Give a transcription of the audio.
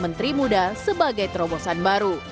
menteri muda sebagai terobosan baru